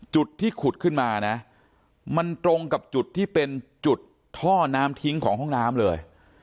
จุดที่ขุดขึ้นมานะมันตรงกับจุดที่เป็นจุดท่อน้ำทิ้งของห้องน้ำเลย